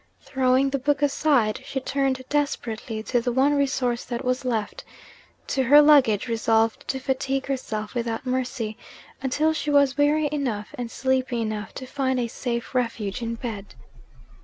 Throwing the book aside, she turned desperately to the one resource that was left, to her luggage resolved to fatigue herself without mercy, until she was weary enough and sleepy enough to find a safe refuge in bed.